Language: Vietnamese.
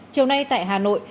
châu nay tại hà nội